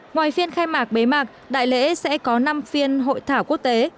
ngoài phiên khai mạc bế mạc đại lễ sẽ có năm phiên hội thảo quốc tế